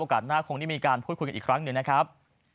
หน้าคงได้มีการพูดคุยกันอีกครั้งหนึ่งนะครับ